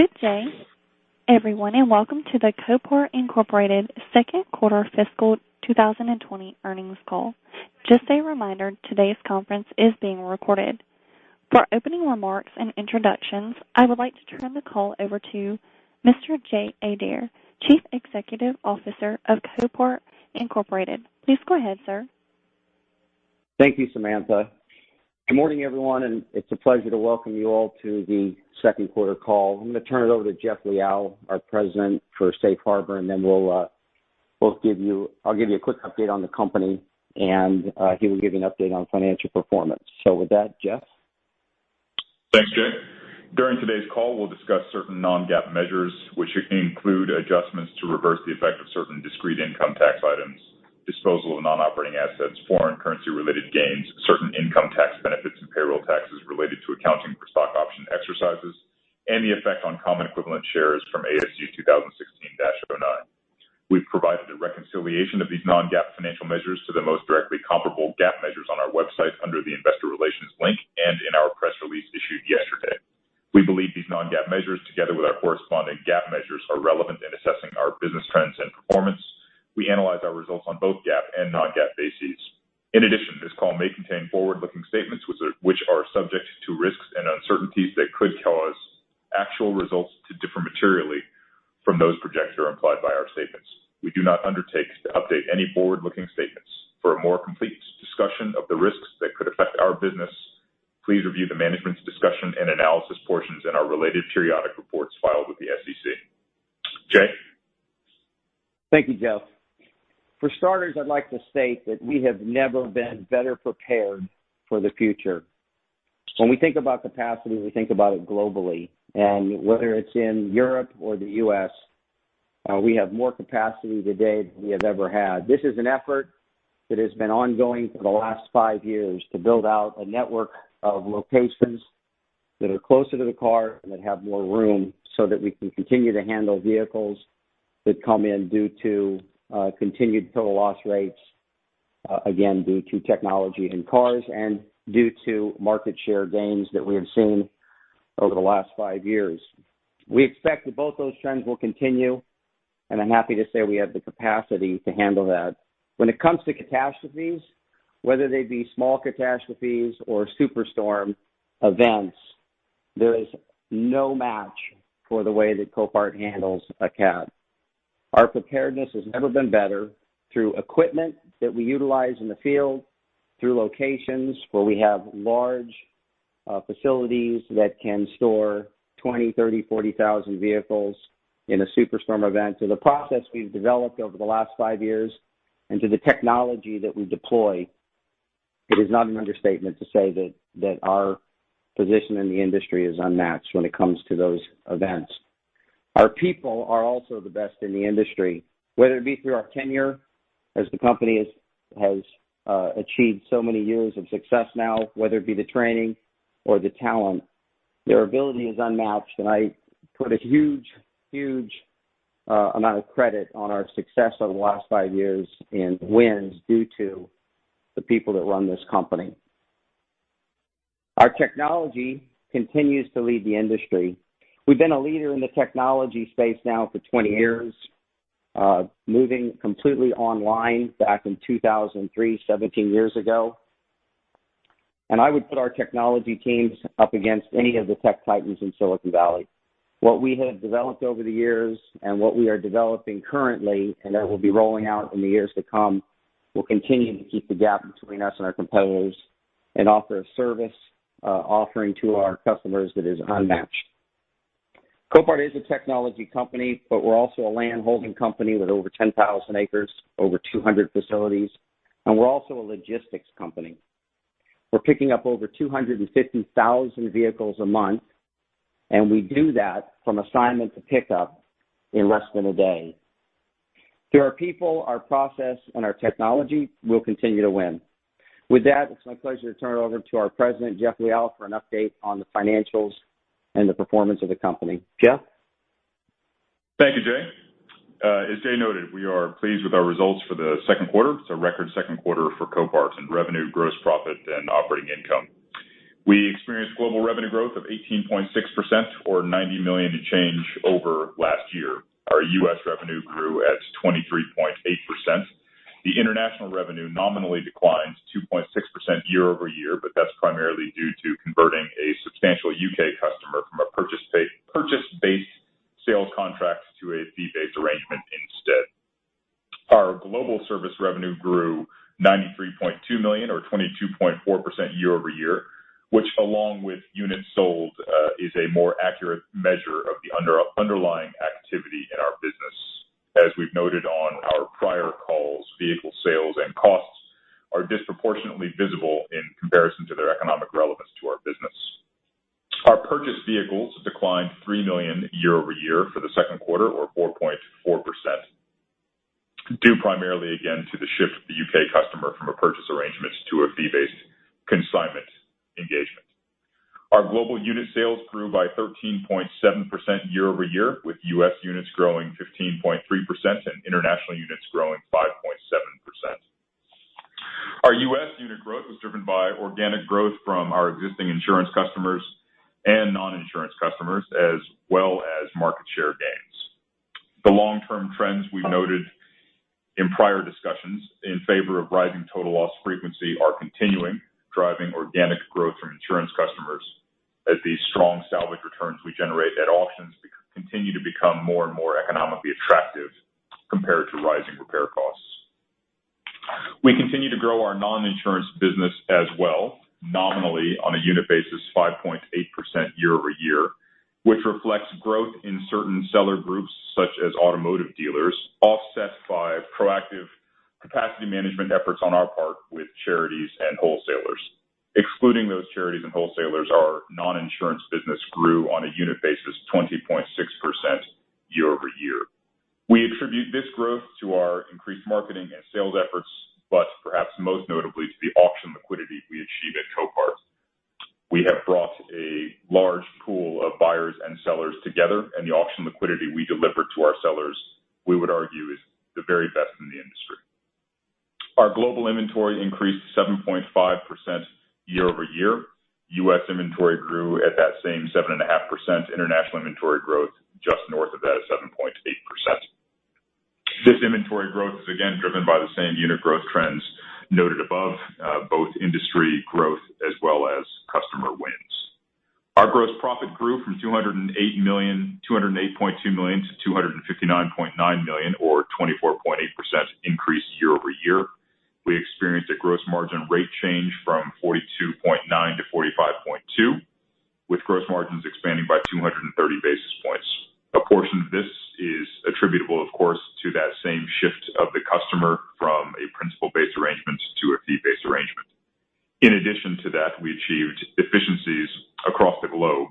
Please stand by. Good day everyone and welcome to the Copart, Inc. second quarter fiscal 2020 earnings call. Just a reminder, today's conference is being recorded. For opening remarks and introductions, I would like to turn the call over to Mr. Jay Adair, Chief Executive Officer of Copart, Inc.. Please go ahead sir. Thank you Samantha. Good morning, everyone, and it's a pleasure to welcome you all to the second quarter call. I'm going to turn it over to Jeff Liaw, our President for Safe Harbor, and then I'll give you a quick update on the company, and he will give you an update on financial performance. Sure with that, Jeff? Thanks Jay. During today's call, we'll discuss certain non-GAAP measures, which include adjustments to reverse the effect of certain discrete income tax items, disposal of non-operating assets, foreign currency-related gains, certain income tax benefits and payroll taxes related to accounting for stock option exercises, and the effect on common equivalent shares from ASU 2016-09. We've provided a reconciliation of these non-GAAP financial measures to the most directly comparable GAAP measures on our website under the Investor Relations link and in our press release issued yesterday. We believe these non-GAAP measures, together with our corresponding GAAP measures, are relevant in assessing our business trends and performance. We analyze our results on both GAAP and non-GAAP bases. In addition, this call may contain forward-looking statements which are subject to risks and uncertainties that could cause actual results to differ materially from those projected or implied by our statements. We do not undertake to update any forward-looking statements. For a more complete discussion of the risks that could affect our business, please review the Management's Discussion and Analysis portions in our related periodic reports filed with the SEC. Jay? Thank you Jeff. For starters, I'd like to state that we have never been better prepared for the future. When we think about capacity, we think about it globally, and whether it's in Europe or the U.S., we have more capacity today than we have ever had. This is an effort that has been ongoing for the last five years to build out a network of locations that are closer to the car and that have more room so that we can continue to handle vehicles that come in due to continued total loss rates, again, due to technology in cars and due to market share gains that we have seen over the last five years. We expect that both those trends will continue, and I'm happy to say we have the capacity to handle that. When it comes to catastrophes, whether they be small catastrophes or superstorm events, there is no match for the way that Copart handles a cat. Our preparedness has never been better through equipment that we utilize in the field, through locations where we have large facilities that can store 20, 30, 40 thousand vehicles in a superstorm event. To the process we've developed over the last five years and to the technology that we deploy, it is not an understatement to say that our position in the industry is unmatched when it comes to those events. Our people are also the best in the industry. Whether it be through our tenure as the company has achieved so many years of success now, whether it be the training or the talent, their ability is unmatched, and I put a huge amount of credit on our success over the last five years in wins due to the people that run this company. Our technology continues to lead the industry. We've been a leader in the technology space now for 20 years, moving completely online back in 2003, 17 years ago. I would put our Technology Teams up against any of the Tech Titans in Silicon Valley. What we have developed over the years and what we are developing currently, and that we'll be rolling out in the years to come, will continue to keep the gap between us and our competitors and offer a service offering to our customers that is unmatched. Copart is a technology company, but we're also a landholding company with over 10,000 acres, over 200 facilities, and we're also a logistics company. We're picking up over 250,000 vehicles a month, and we do that from assignment to pickup in less than a day. Through our people, our process, and our technology, we'll continue to win. With that, it's my pleasure to turn it over to our President, Jeff Liaw, for an update on the financials and the performance of the company. Jeff? Thank you Jay. As Jay noted, we are pleased with our results for the second quarter. It's a record second quarter for Copart in revenue, gross profit, and operating income. We experienced global revenue growth of 18.6% or $90 million in change over last year. Our U.S. revenue grew at 23.8%. The international revenue nominally declined 2.6% year-over-year, but that's primarily due to converting a substantial U.K. customer from a purchase-based sales contract to a fee-based arrangement instead. Our global service revenue grew $93.2 million or 22.4% year-over-year, which along with units sold, is a more accurate measure of the underlying activity in our business. As we've noted on our prior calls, vehicle sales and costs are disproportionately visible in comparison to their economic relevance to our business. Our purchased vehicles declined $3 million year-over-year for the second quarter or 4.4%, due primarily again to the shift of the U.K. customer from a purchase arrangement to a fee-based consignment engagement. Our global unit sales grew by 13.7% year-over-year, with U.S. units growing 15.3% and international units growing 5.7%. Our U.S. unit growth was driven by organic growth from our existing insurance customers and non-insurance customers, as well as market share gains. The long-term trends we noted in prior discussions in favor of rising total loss frequency are continuing, driving organic growth from insurance customers as the strong salvage returns we generate at auctions continue to become more and more economically attractive compared to rising repair costs. We continue to grow our non-insurance business as well, nominally on a unit basis, 5.8% year-over-year, which reflects growth in certain seller groups such as automotive dealers, offset by proactive capacity management efforts on our part with charities and wholesalers. Excluding those charities and wholesalers, our non-insurance business grew on a unit basis 20.6% year-over-year. We attribute this growth to our increased marketing and sales efforts, but perhaps most notably, to the auction liquidity we achieve at Copart. We have brought a large pool of buyers and sellers together, and the auction liquidity we deliver to our sellers, we would argue, is the very best in the industry. Our global inventory increased 7.5% year-over-year. U.S. inventory grew at that same 7.5%. International inventory growth, just north of that at 7.8%. This inventory growth is again driven by the same unit growth trends noted above, both industry growth as well as customer wins. Our gross profit grew from $208.2 million-$259.9 million, or 24.8% increase year-over-year. We experienced a gross margin rate change from 42.9%-45.2%, with gross margins expanding by 230 basis points. A portion of this is attributable, of course, to that same shift of the customer from a principal-based arrangement to a fee-based arrangement. In addition to that, we achieved efficiencies across the globe,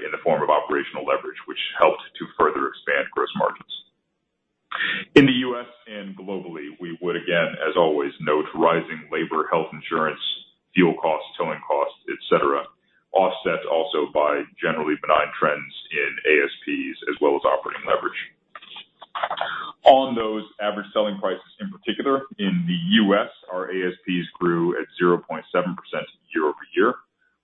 in the form of operational leverage, which helped to further expand gross margins. In the U.S. and globally, we would, again, as always, note rising labor, health insurance, fuel costs, towing costs, et cetera, offset also by generally benign trends in ASPs as well as operating leverage. On those average selling prices, in particular in the U.S., our ASPs grew at 0.7% year-over-year.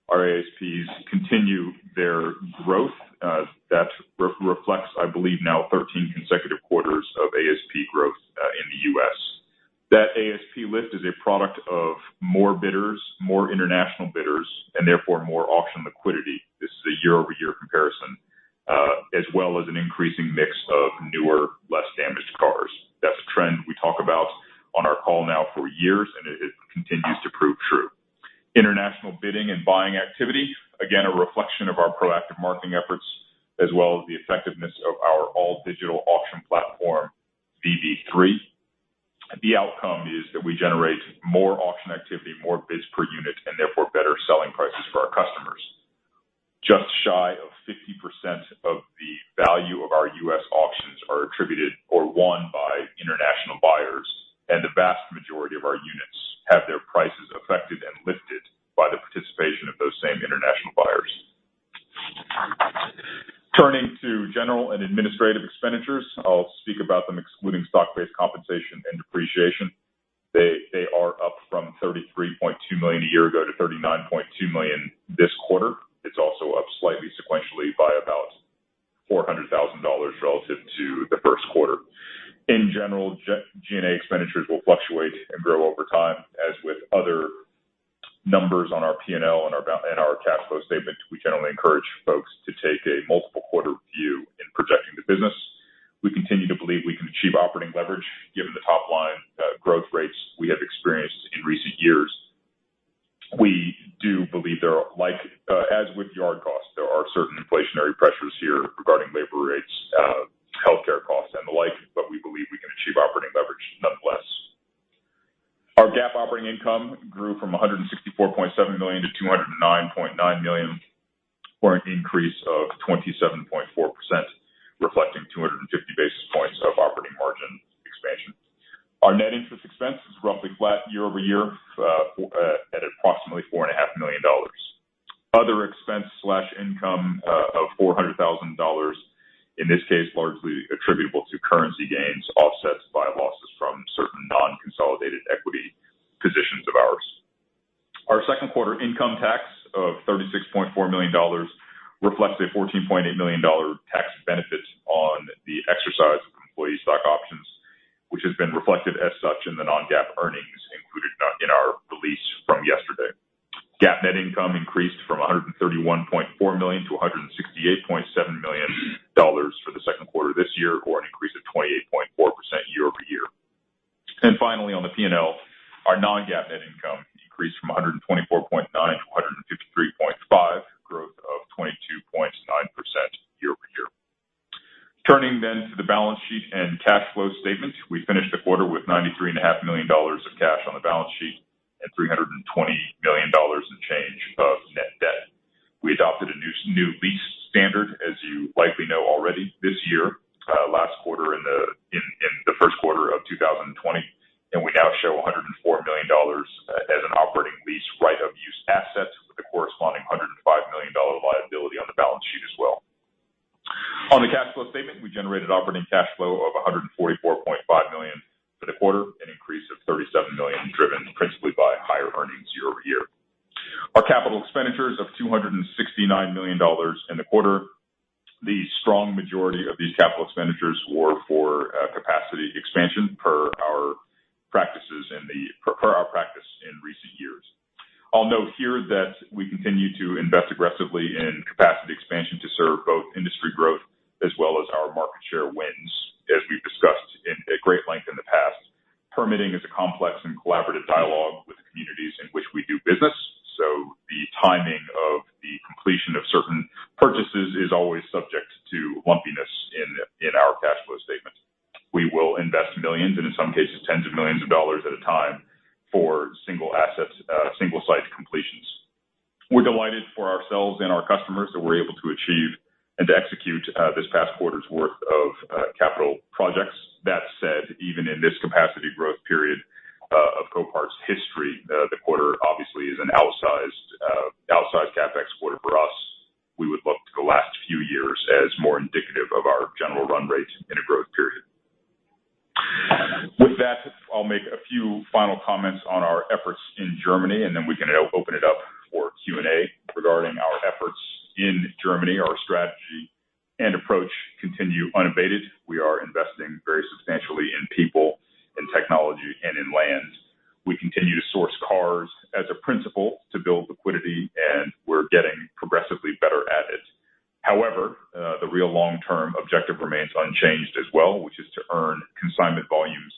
Our ASPs continue their growth. That reflects, I believe now, 13 consecutive quarters of ASP growth in the U.S. That ASP lift is a product of more bidders, more international bidders, and therefore more auction liquidity. This is a year-over-year comparison. As well as an increasing mix of newer, less damaged cars. That's a trend we talk about on our call now for years, and it continues to prove true. International bidding and buying activity, again, a reflection of our proactive marketing efforts as well as the effectiveness of our all-digital auction platform, VB3. The outcome is that we generate more auction activity, more bids per unit, and therefore better selling prices for our customers. Just shy of 50% of the value of our U.S. auctions are attributed or won by international buyers, and the vast majority of our units have their prices affected and lifted by the participation of those same international buyers. Turning to general and administrative expenditures, I'll speak about them excluding stock-based compensation and depreciation. They are up from $33.2 million a year ago to $39.2 million this quarter. It's also up slightly sequentially by about $400,000 relative to the first quarter. In general, G&A expenditures will fluctuate and grow over time. As with other numbers on our P&L and our cash flow statement, we generally encourage folks to take a multiple quarter view in projecting the business. We continue to believe we can achieve operating leverage given the top line growth rates we have experienced in recent years. As with yard costs, there are certain inflationary pressures here regarding labor rates, healthcare costs, and the like, but we believe we can achieve operating leverage nonetheless. Our GAAP operating income grew from $164.7 million-$209.9 million, or an increase of 27.4%, reflecting 250 basis points of operating margin expansion. Our net interest expense is roughly flat year-over-year at approximately $4.5 million. Other expense/income of $400,000, in this case, largely attributable to currency gains offset by losses from certain non-consolidated equity positions of ours. Our second quarter income tax of $36.4 million reflects a $14.8 million tax benefit on the exercise of employee stock options, which has been reflected as such in the non-GAAP earnings included in our release from yesterday. GAAP net income increased from $131.4 million-$168.7 million for the second quarter this year, or an increase of 28.4% year-over-year. Finally, on the P&L, our non-GAAP net income increased from $124.9 million-$153.5 million, growth of 22.9% year-over-year. Turning then to the balance sheet and cash flow statement. We finished the quarter with $93.5 million of cash on the balance sheet and $320 million and change of net debt. We adopted a new lease standard, as you likely know already, this year. Last quarter in the first quarter of 2020, I'll show $104 million as an operating lease right-of-use assets with a corresponding $105 million liability on the balance sheet as well. On the cash flow statement, we generated operating cash flow of $144.5 million for the quarter, an increase of $37 million, driven principally by higher earnings year-over-year. Our capital expenditures of $269 million in the quarter, the strong majority of these capital expenditures were for capacity expansion per our practice in recent years. I'll note here that we continue to invest aggressively in capacity expansion to serve both industry growth as well as our market share wins. As we've discussed at great length in the past, permitting is a complex and collaborative dialogue with the communities in which we do business. The timing of the completion of certain purchases is always subject to lumpiness in our cash flow statement. We will invest millions, and in some cases, tens of millions of dollars at a time for single site completions. We're delighted for ourselves and our customers that we're able to achieve and to execute this past quarter's worth of capital projects. That said, even in this capacity growth period of Copart's history, the quarter obviously is an outsized CapEx quarter for us. We would look to the last few years as more indicative of our general run rate in a growth period. With that, I'll make a few final comments on our efforts in Germany, and then we can open it up for Q&A regarding our efforts in Germany. Our strategy and approach continue unabated. We are investing very substantially in people, in technology, and in land. We continue to source cars as a principle to build liquidity, and we're getting progressively better at it. However, the real long-term objective remains unchanged as well, which is to earn consignment volumes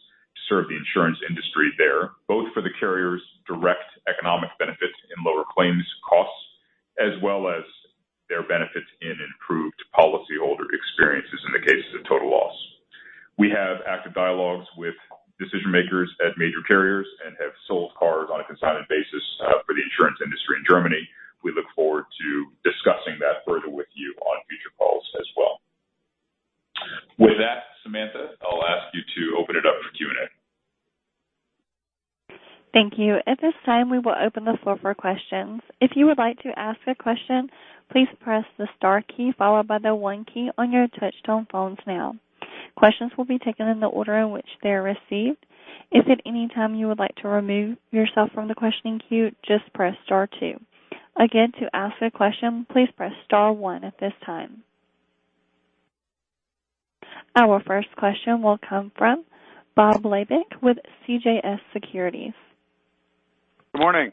Good morning.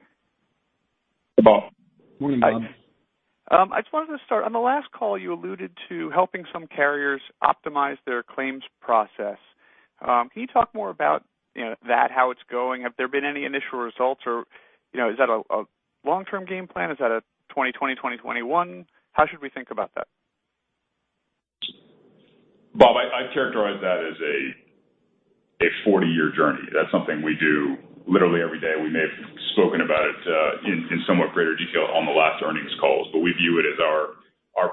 Hey Bob. Morning Bob. I just wanted to start. On the last call, you alluded to helping some carriers optimize their claims process. Can you talk more about that, how it's going? Have there been any initial results or is that a long-term game plan? Is that a 2020, 2021? How should we think about that? Bob, I characterize that as a 40-year journey. That's something we do literally every day. We may have spoken about it in somewhat greater detail on the last earnings calls, but we view it as our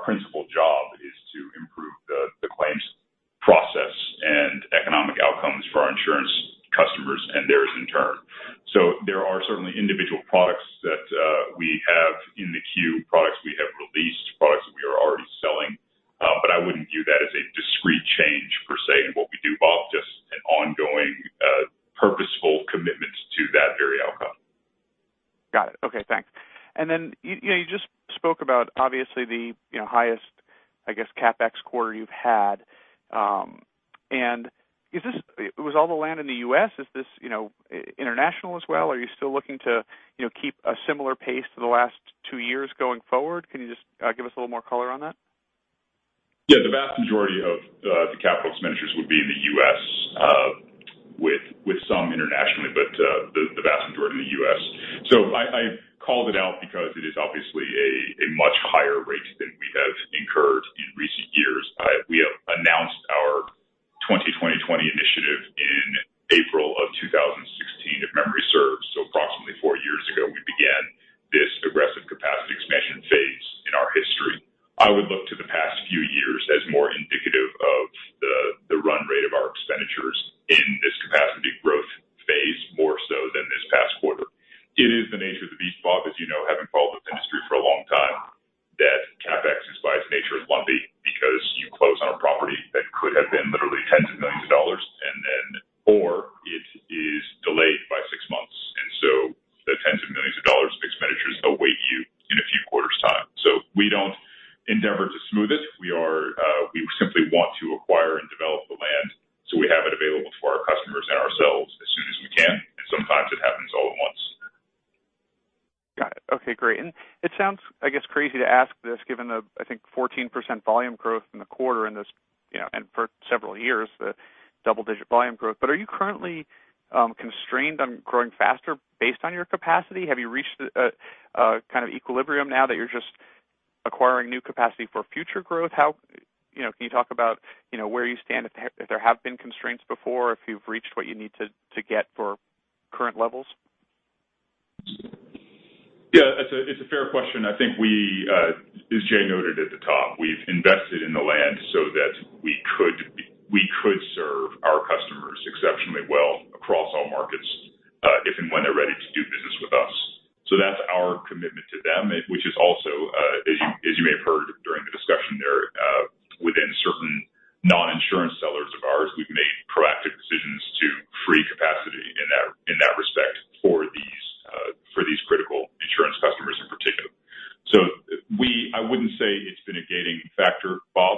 principal job is to improve the claims process and economic outcomes for our insurance customers and theirs in turn. There are certainly individual products that we have in the queue, products we have released, products that we are already selling. I wouldn't view that as a discrete change per se in what we do, Bob, just an ongoing, purposeful commitment to that very outcome. Got it. Okay, thanks. You just spoke about obviously the highest, I guess, CapEx quarter you've had. Was all the land in the U.S.? Is this international as well? Are you still looking to keep a similar pace to the last two years going forward? Can you just give us a little more color on that? Yeah, the vast majority of the capital expenditures would be in the U.S., with some internationally, but the vast majority in the U.S. I called it out because it is obviously a much higher rate than we have incurred in if and when they're ready to do business with us. That's our commitment to them, which is also, as you may have heard during the discussion there, within certain non-insurance sellers of ours, we've made proactive decisions to free capacity in that respect for these critical insurance customers in particular. I wouldn't say it's been a gating factor, Bob,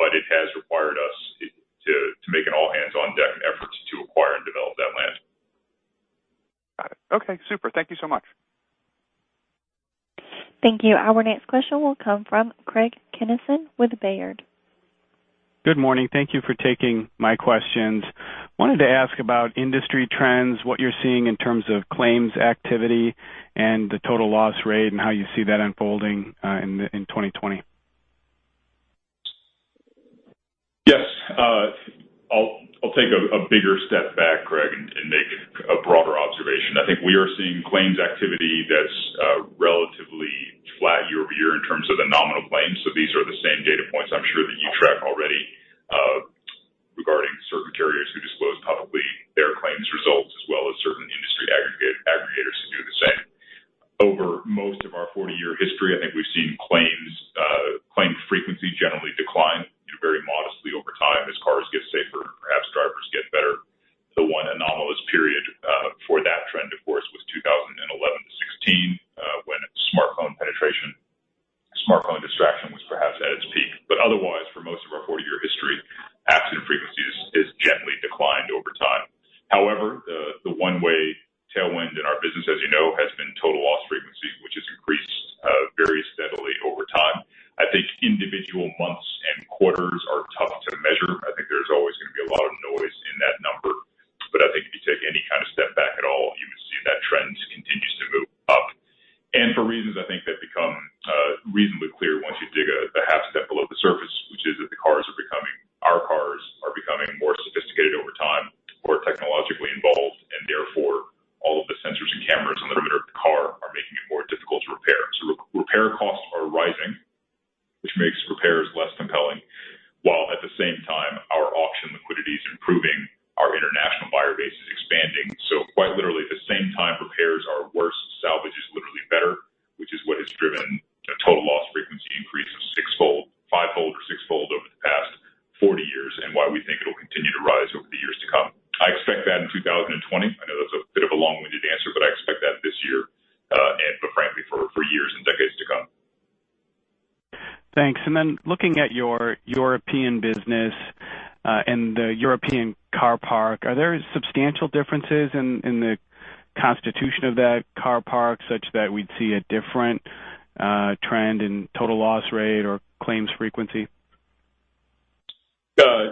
but it has required us to make an all-hands-on-deck effort to acquire and develop that land. Got it. Okay super. Thank you so much. Thank you. Our next question will come from Craig Kennison with Baird. Good morning. Thank you for taking my questions. Wanted to ask about industry trends, what you're seeing in terms of claims activity and the total loss rate, and how you see that unfolding in 2020. Yes. I'll take a bigger step back, Craig, and make a broader observation. I think we are seeing claims activity that's relatively flat year-over-year in terms of the nominal claims. These are the same data points I'm sure that you track already regarding certain carriers who disclose publicly their claims results, as well as certain industry aggregators who do the same. Over most of our 40-year history, I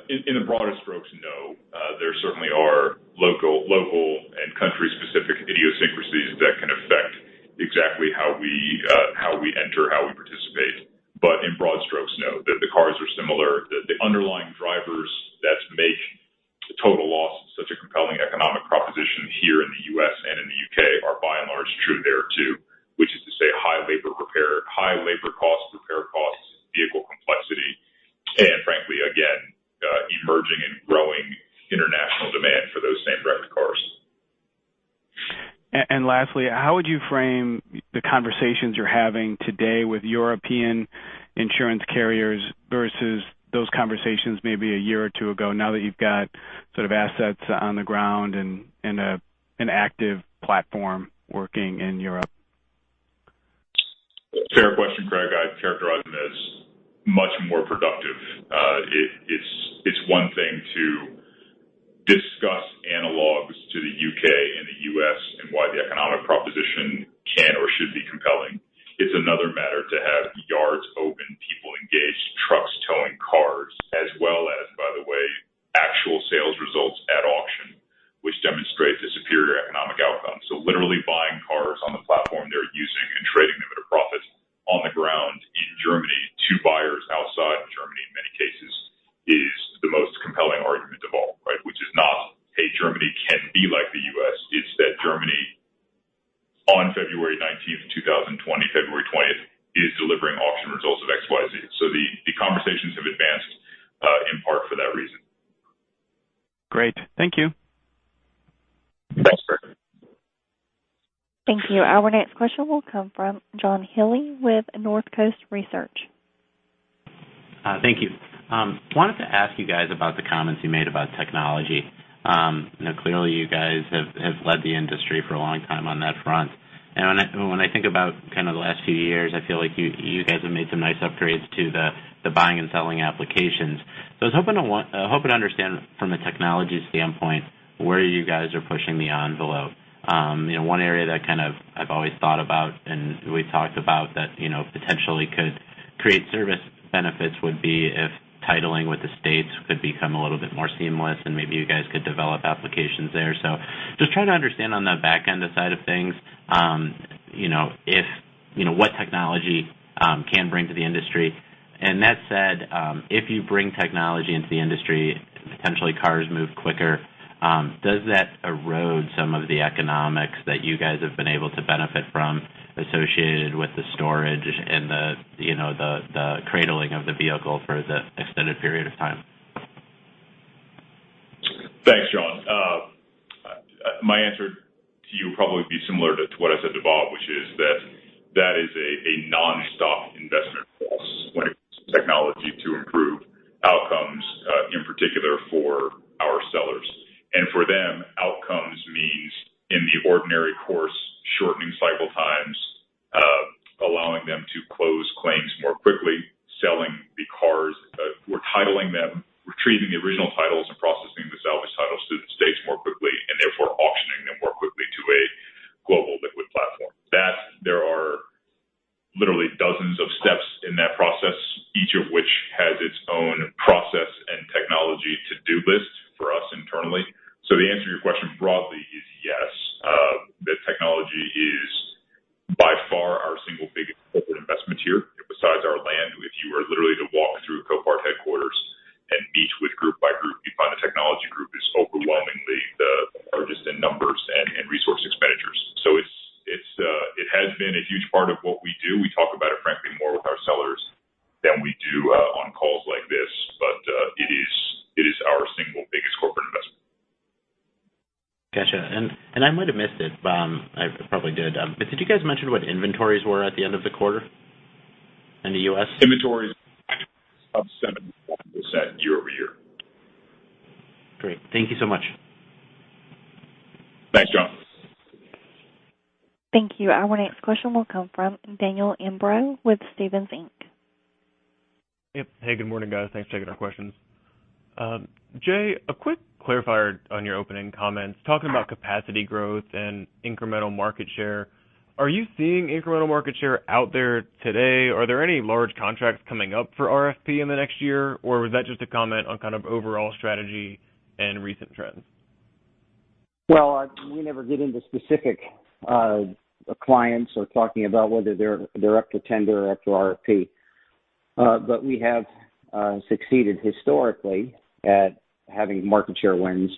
In the broader strokes, no. There certainly are local and country-specific idiosyncrasies that can affect exactly how we enter, how we participate. In broad strokes, no. The cars are similar. The underlying drivers that make total loss such a compelling economic proposition here in the U.S. and in the U.K. are by and large true there, too, which is to say high labor costs, repair costs, vehicle complexity, and frankly, again, emerging and growing international demand for those same wrecked cars. Lastly, how would you frame the conversations you're having today with European insurance carriers versus those conversations maybe a year or two ago, now that you've got sort of assets on the ground and an active platform working in Europe? Fair question, Craig. I'd characterize them as much more productive. It's one thing to discuss analogs to the U.K. and the U.S. and why the economic proposition can or should be compelling. It's another matter to have yards open, people engaged, trucks towing cars, as well as, by the way, actual sales results at auction, which demonstrate the superior economic outcome. Literally buying cars on the platform they're using and trading them at a profit on the ground in Germany to buyers outside of Germany in many cases is the most compelling argument of all, right? Which is not, hey, Germany can be like the U.S. It's that Germany, on February 19th, 2020, February 20th, is delivering auction results of XYZ. The conversations have advanced in part for that reason. Great. Thank you. Thanks Craig. Thank you. Our next question will come from John Healy with Northcoast Research. Thank you. Wanted to ask you guys about the comments you made about technology. Clearly you guys have led the industry for a long time on that front. When I think about kind of the last few years, I feel like you guys have made some nice upgrades to the buying and selling applications. I was hoping to understand from a technology standpoint where you guys are pushing the envelope. One area that I've always thought about and we've talked about that potentially could create service benefits would be if titling with the states could become a little bit more seamless and maybe you guys could develop applications there. Just trying to understand on the back end side of things what technology can bring to the industry. That said, if you bring technology into the industry, potentially cars move quicker. Does that erode some of the economics that you guys have been able to benefit from associated with the storage and the cradling of the vehicle for the extended period of time? Thanks John. My answer to you would probably be similar to what I said to Bob, which is that is a nonstop investment for us when it comes to technology to improve outcomes, in particular for our sellers. For them, outcomes means, in the ordinary course, shortening cycle times, allowing them to close claims more quickly, selling the cars. We're titling them, retrieving the original titles and processing the salvage titles to the states more quickly, and therefore auctioning them more quickly to a global liquid platform. There are literally dozens of steps in that process, each of which has its own process and technology to-do list Are you seeing incremental market share out there today? Are there any large contracts coming up for RFP in the next year? Was that just a comment on kind of overall strategy and recent trends? We never get into specific clients or talking about whether they're up for tender or up for RFP. We have succeeded historically at having market share wins.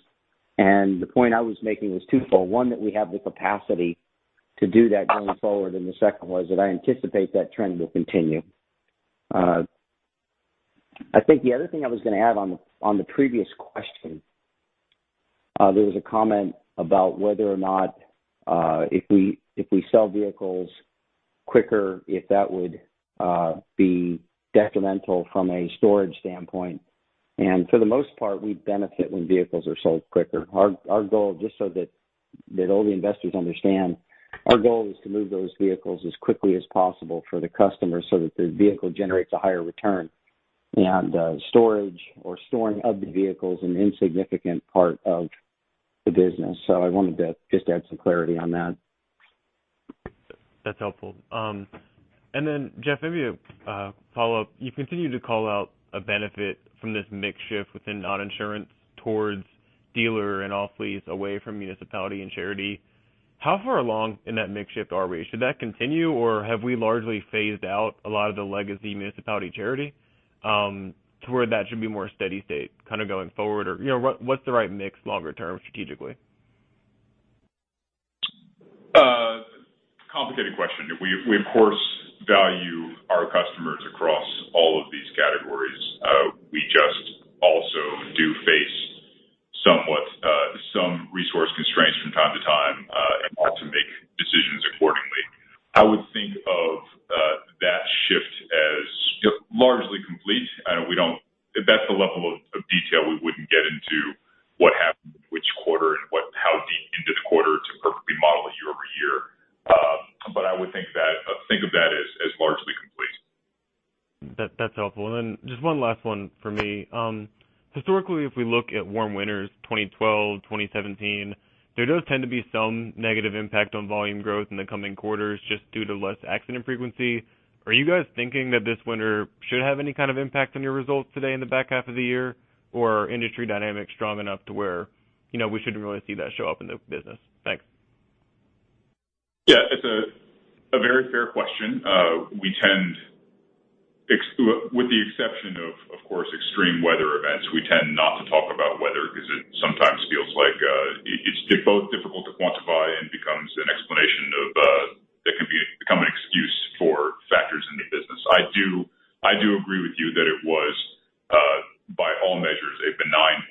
The point I was making was twofold. One, that we have the capacity to do that going forward, and the second was that I anticipate that trend will continue. I think the other thing I was going to add on the previous question, there was a comment about whether or not if we sell vehicles quicker, if that would be detrimental from a storage standpoint. For the most part, we benefit when vehicles are sold quicker. Our goal, just so that all the investors understand, our goal is to move those vehicles as quickly as possible for the customer so that the vehicle generates a higher return. Storage or storing of the vehicle is an insignificant part of the business. I wanted to just add some clarity on that. That's helpful. Then Jeff, maybe a follow-up. You continue to call out a benefit from this mix shift within non-insurance towards dealer and off-lease away from municipality and charity. How far along in that mix shift are we? Should that continue, or have we largely phased out a lot of the legacy municipality charity to where that should be more steady state going forward? What's the right mix longer term strategically? Complicated question. We, of course, value our customers across all of these categories. We just also do face somewhat some resource constraints from time to time and have to make decisions accordingly. I would think of that shift as largely complete. That's a level of detail we wouldn't get into what happened in which quarter and how deep into the quarter to perfectly model it year-over-year. I would think of that as largely complete. That's helpful. Just one last one for me. Historically, if we look at warm winters, 2012, 2017, there does tend to be some negative impact on volume growth in the coming quarters just due to less accident frequency. Are you guys thinking that this winter should have any kind of impact on your results today in the back half of the year? Or are industry dynamics strong enough to where we shouldn't really see that show up in the business? Thanks. It's a very fair question. With the exception of course, extreme weather events, we tend not to talk about weather because it sometimes feels like it's both difficult to quantify and becomes an explanation that can become an excuse for factors in the business. I do agree with you that it was, by all measures, a benign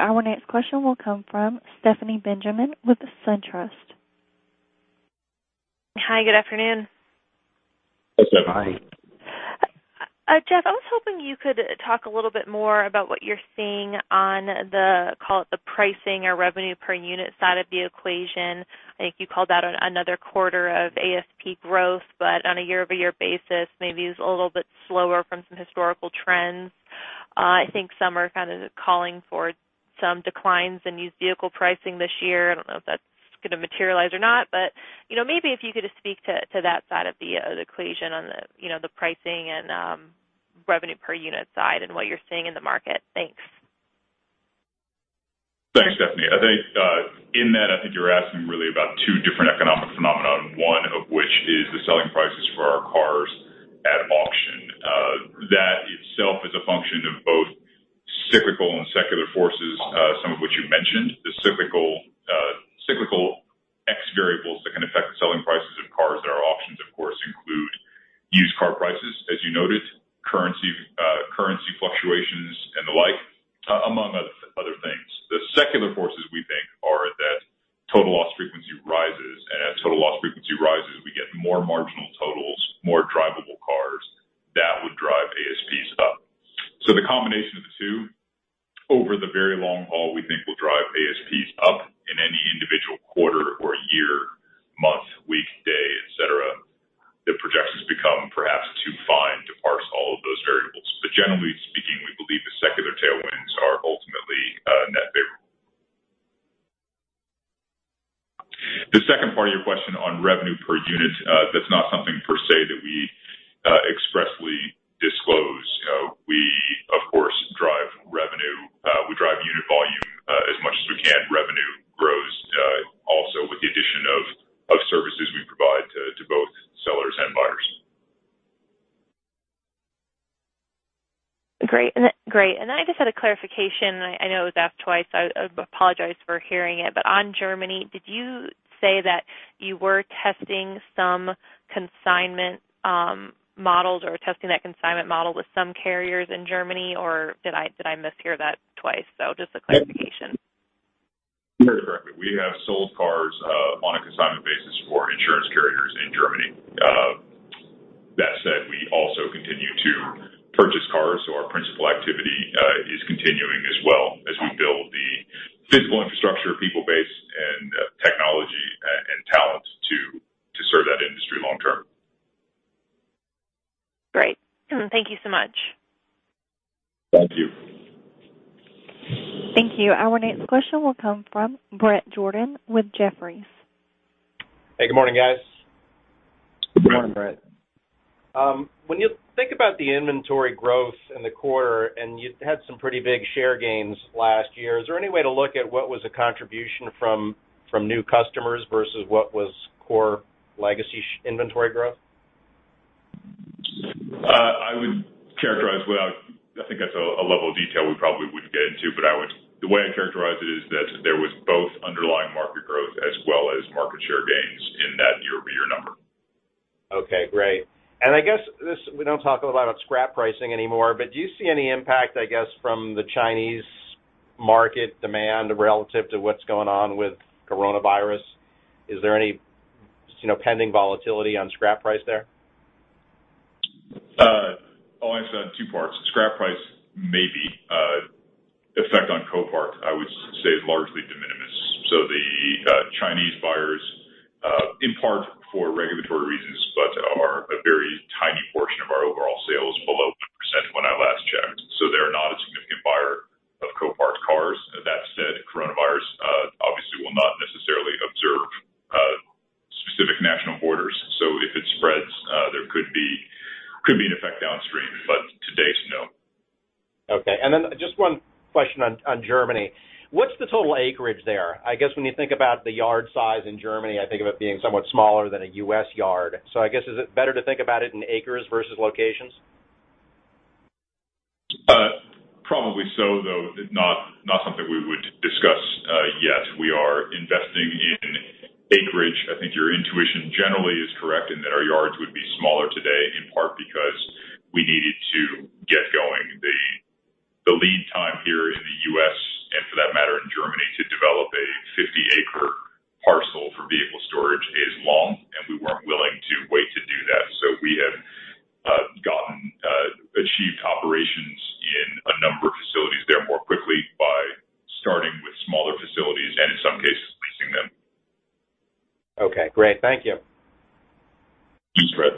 winter, higher temperatures, lower precipitation, at least across the U.S., and that yes, therefore, that generally means fewer claims at the top of the funnel. Quantifying that precisely, I don't know. Inventory was up 7.5% year-over-year, nonetheless. Whether that was depressed by temperatures or precipitation is a judgment probably better left to others than to me personally. That's perfect. Thanks guys. Best of luck. Thank you. Our next question will come from Stephanie Benjamin with SunTrust. Hi, good afternoon. Hi, Stephanie. Jeff, I was hoping you could talk a little bit more about what you're seeing on the, call it, the pricing or revenue per unit side of the equation. I think you called that another quarter of ASP growth. On a year-over-year basis, maybe it's a little bit slower from some historical trends. I think some are kind of calling for some declines in used vehicle pricing this year. I don't know if that's going to materialize or not. Maybe if you could just speak to that side of the equation on the pricing and revenue per unit side and what you're seeing in the market. Thanks. Thanks Stephanie. I think in that, you're asking really about two different economic phenomenon, one of which is the selling prices for our cars at auction. That itself is a function of both cyclical and secular forces, some of which you mentioned. The cyclical purchase cars, so our principal activity is continuing as well as we build the physical infrastructure, people base, and technology, and talent to serve that industry long term. Great. Thank you so much. Thank you. Thank you. Our next question will come from Bret Jordan with Jefferies. Hey, good morning guys. Good morning, Bret. When you think about the inventory growth in the quarter, and you had some pretty big share gains last year, is there any way to look at what was a contribution from new customers versus what was core legacy inventory growth? I think that's a level of detail we probably wouldn't get into, but the way I'd characterize it is that there was both underlying market growth as well as market share gains in that year-over-year number. Okay. Great. I guess this, we don't talk a lot about scrap pricing anymore, but do you see any impact, I guess, from the Chinese market demand relative to what's going on with coronavirus? Is there any pending volatility on scrap price there? I'll answer that in two parts. Scrap price may be. Effect on Copart, I would say is largely de minimis. The Chinese buyers, in part for regulatory reasons, but are a very tiny portion of our overall sales, below 1% when I last checked. They are not a significant buyer of Copart's cars. That said, coronavirus obviously will not necessarily observe specific national borders. If it spreads, there could be an effect downstream. To date, no. Okay. Just one question on Germany. What's the total acreage there? I guess when you think about the yard size in Germany, I think of it being somewhat smaller than a U.S. yard. I guess is it better to think about it in acres versus locations? Probably so, though not something we would discuss yet. We are investing in acreage. I think your intuition generally is correct in that our yards would be smaller today, in part because we needed to get going. The lead time here in the U.S., and for that matter in Germany, to develop a 50-acre parcel for vehicle storage is long, and we weren't willing to wait to do that. We have achieved operations in a number of facilities there more quickly by starting with smaller facilities and in some cases, leasing them. Okay great. Thank you. Thanks Bret.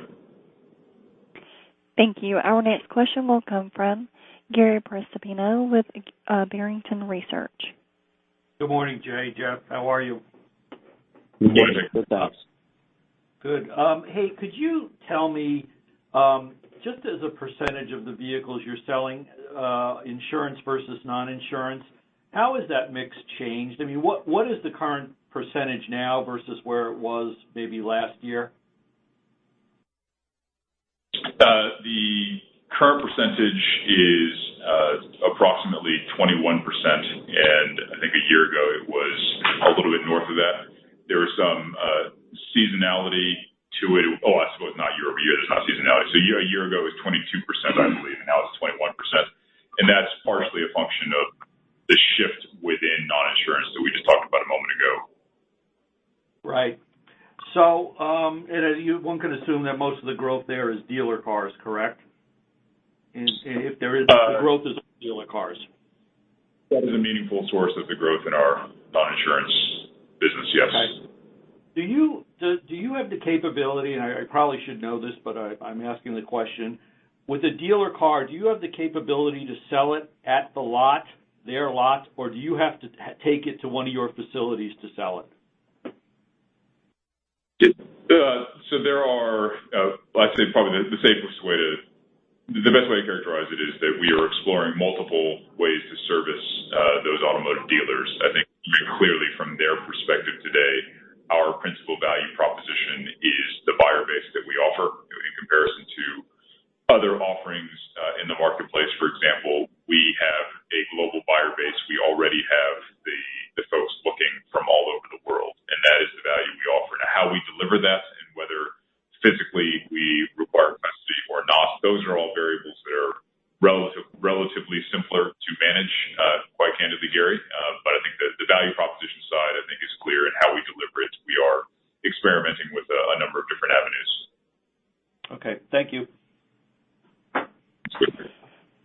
Thank you. Our next question will come from Gary Prestopino with Barrington Research. Good morning, Jay, Jeff. How are you? Good morning. What's up? Good. Hey, could you tell me, just as a percentage of the vehicles you're selling, insurance versus non-insurance, how has that mix changed? I mean, what is the current percentage now versus where it was maybe last year? The current percentage is approximately 21%, and I think a year ago it was a little bit north of that. There was some seasonality to it. I suppose not year over year. There's not seasonality. A year ago, it was 22%, I believe, and now it's 21%. That's partially a function of the shift within non-insurance that we just talked about a moment ago. Right. One could assume that most of the growth there is dealer cars, correct? the growth is dealer cars. That is a meaningful source of the growth in our non-insurance. Do you have the capability, and I probably should know this, but I'm asking the question, with a dealer car, do you have the capability to sell it at their lot, or do you have to take it to one of your facilities to sell it? The best way to characterize it is that we are exploring multiple ways to service those automotive dealers. I think clearly from their perspective today, our principal value proposition is the buyer base that we offer in comparison to other offerings in the marketplace. For example, we have a global buyer base. We already have the folks looking from all over the world, and that is the value we offer. Now, how we deliver that and whether physically we require custody or not, those are all variables that are relatively simpler to manage, quite candidly, Gary. I think the value proposition side, I think is clear in how we deliver it. We are experimenting with a number of different avenues. Okay. Thank you.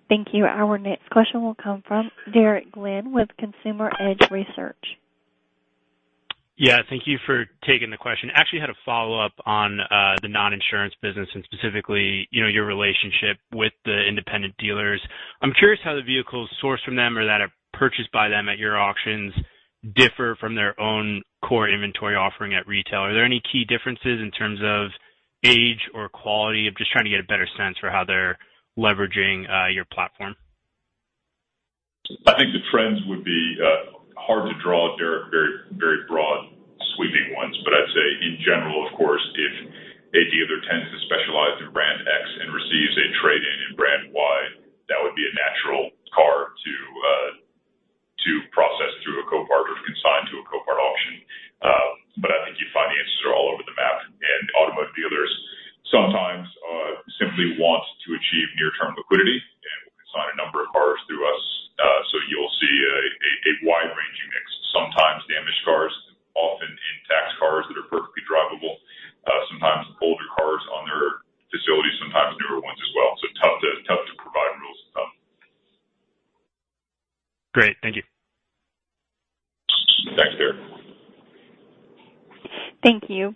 Thank you. Our next question will come from Derek Glenn with Consumer Edge Research. Thank you for taking the question. I actually had a follow-up on the non-insurance business and specifically your relationship with the independent dealers. I'm curious how the vehicles sourced from them or that are purchased by them at your auctions differ from their own core inventory offering at retail. Are there any key differences in terms of age or quality? I'm just trying to get a better sense for how they're leveraging your platform. I think the trends would be hard to draw, Derek, very broad sweeping ones. I'd say in general, of course, if a dealer tends to specialize in brand X and receives a trade-in in brand Y, that would be a natural car to process through a Copart or consign to a Copart auction. I think you'd find the answers are all over the map, and automotive dealers sometimes simply want to achieve near-term liquidity and will consign a number of cars through us. You'll see a wide-ranging mix, sometimes damaged cars, often intact cars that are perfectly drivable. Sometimes older cars on their facilities, sometimes newer ones as well. Tough to provide rules of thumb. Great. Thank you. Thanks, Derek. Thank you.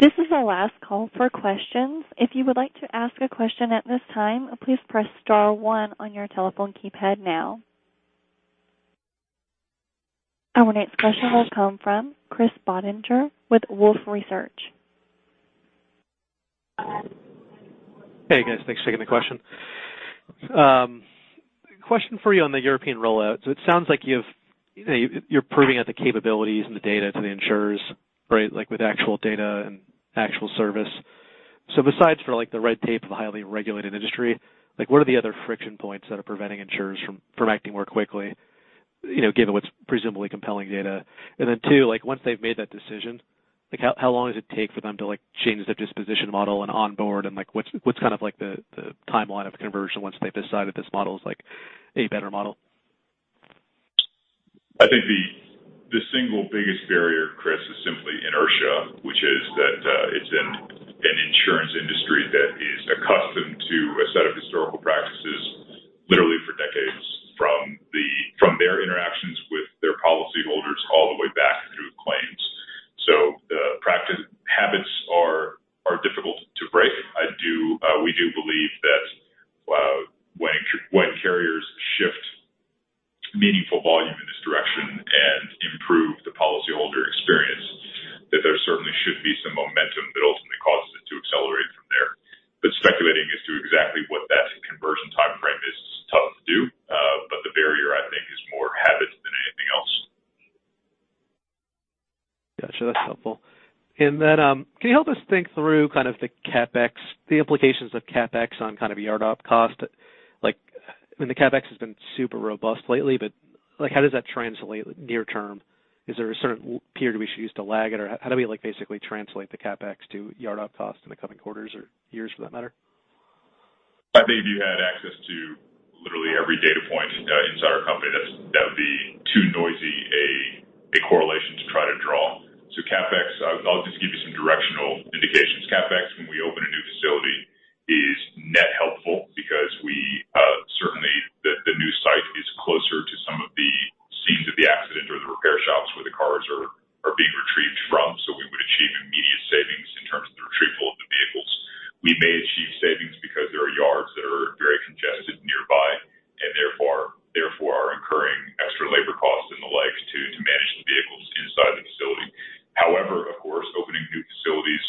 This is our last call for questions. If you would like to ask a question at this time, please press star one on your telephone keypad now. Our next question will come from Chris Bottiglieri with Wolfe Research. Hey, guys. Thanks for taking the question. Question for you on the European rollout. It sounds like you're proving out the capabilities and the data to the insurers, right? Like with actual data and actual service. Besides for the red tape of a highly regulated industry, what are the other friction points that are preventing insurers from acting more quickly given what's presumably compelling data? Two, once they've made that decision, how long does it take for them to change their disposition model and onboard, and what's the timeline of conversion once they've decided this model is a better model? I think the single biggest barrier, Chris, is simply inertia, which is that it's an insurance industry that is accustomed to a set of historical practices literally for decades, from their interactions with their policyholders all the way back through claims. The habits are difficult to break. We do believe that when carriers shift meaningful volume in this direction and improve the policyholder experience, that there certainly should be some momentum that ultimately causes it to accelerate from there. Speculating as to exactly what that conversion timeframe is is tough to do. The barrier, I think, is more habits than anything else. Got you. That's helpful. Then can you help us think through the implications of CapEx on yard op cost? The CapEx has been super robust lately, but how does that translate near term? Is there a certain period we should use to lag it, or how do we basically translate the CapEx to yard op cost in the coming quarters or years for that matter? I think if you had access to literally every data point inside our company, that would be too noisy a correlation to try to draw. CapEx, I'll just give you some directional indications. CapEx, when we open a new facility, is net helpful because certainly the new site is closer to some of the scenes of the accident or the repair shops where the cars are being retrieved from. We would achieve immediate savings in terms of the retrieval of the vehicles. We may achieve savings because there are yards that are very congested nearby and therefore are incurring extra labor costs and the like to manage the vehicles inside the facility. However, of course, opening new facilities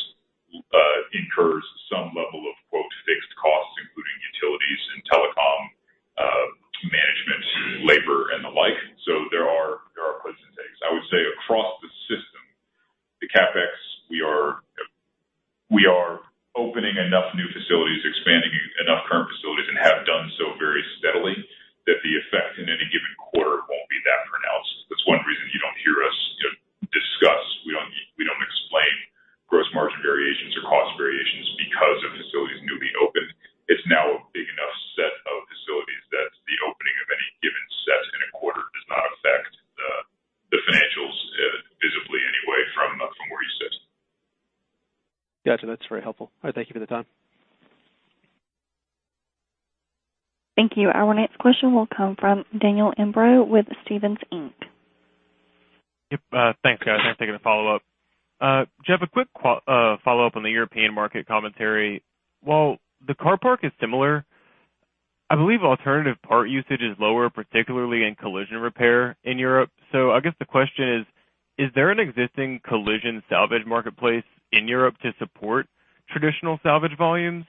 incurs some level of, quote, "fixed costs," including utilities and telecom management, labor, and the like. There are plus and takes. I would say across the system, the CapEx, we are opening enough new facilities, expanding enough current facilities, and have done so very steadily that the effect in any given quarter won't be that pronounced. That's one reason you don't hear us discuss, we don't explain gross margin variations or cost variations because of facilities newly opened. It's now a big enough set of facilities that the opening of any given set in a quarter does not affect the financials visibly anyway from where you sit. Got you. That's very helpful. All right. Thank you for the time. Thank you. Our next question will come from Daniel Imbro with Stephens Inc. Yep. Thanks, guys. Thanks for taking the follow-up. Jeff, a quick follow-up on the European market commentary. While the car park is similar, I believe alternative part usage is lower, particularly in collision repair in Europe. I guess the question is there an existing collision salvage marketplace in Europe to support traditional salvage volumes?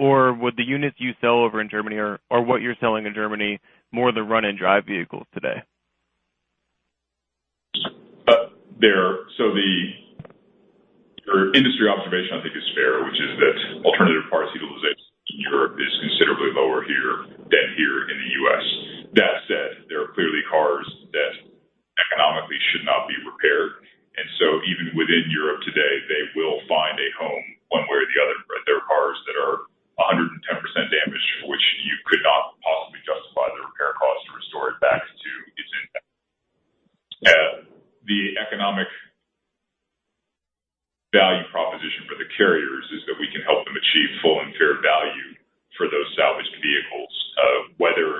Would the units you sell over in Germany or what you're selling in Germany more the run-and-drive vehicles today? Your industry observation, I think, is fair, which is that alternative parts utilization in Europe is considerably lower than here in the U.S. That said, there are clearly cars that economically should not be repaired. Even within Europe today, they will find a home one way or the other. There are cars that are 110% damaged, which you could not possibly justify the repair cost to restore it back to its intact. The economic value proposition for the carriers is that we can help them achieve full and fair value for those salvaged vehicles, whether